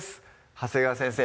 長谷川先生